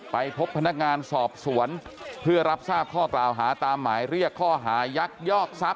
ไปพบพนักงานสอบสวนเพื่อรับทราบข้อกล่าวหาตามหมายเรียกข้อหายักยอกทรัพย